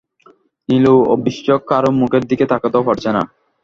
নীলু অবশ্যি কারো মূখের দিকে তাকাতেও পারছে না।